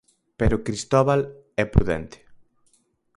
Pero Cristóbal é prudente.